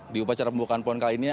di upacara pembukaan pon kali ini